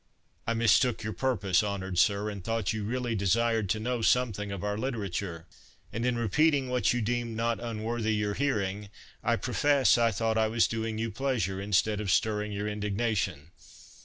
"I mistook your purpose, honoured sir, and thought you really desired to know something of our literature; and in repeating what you deemed not unworthy your hearing, I profess I thought I was doing you pleasure, instead of stirring your indignation."